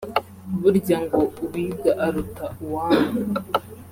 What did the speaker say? Burya ngo uwiga aruta uwanga